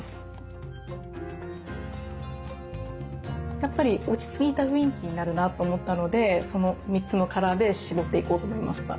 やっぱり落ち着いた雰囲気になるなと思ったのでその３つのカラーで絞っていこうと思いました。